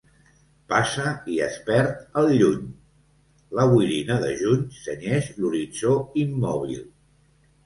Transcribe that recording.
Passa i es perd al lluny... La boirina de Juny cenyeix l’horitzó immòbil.